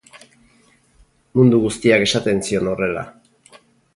Mundu guztiak esaten zion horrela.